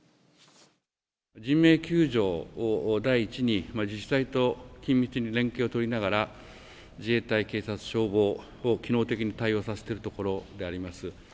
人命救助を第一に、自治体と緊密に連携を取りながら、自衛隊、警察、消防を機能的に対応させているところであります。